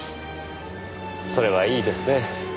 それはいいですねぇ。